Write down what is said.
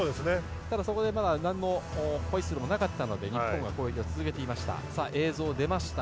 ただ、そこで何のホイッスルもなかったので日本が攻撃を続けていました。